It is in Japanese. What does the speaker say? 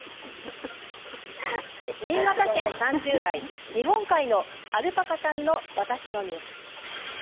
新潟県３０代日本海のアルパカさんの「わたしのニュース」。